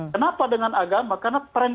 kenapa dengan agama karena